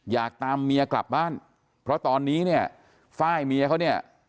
อยากตามเมียกลับบ้านเพราะตอนนี้เนี่ยไฟล์เมียเขาเนี่ย